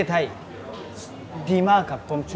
ดิฉันอยู่ที่นั้น